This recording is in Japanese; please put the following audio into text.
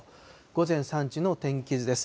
午前３時の天気図です。